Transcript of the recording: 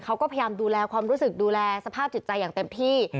เขาก็พยายามดูแลความรู้สึกดูแลสภาพจิตใจอย่างเต็มที่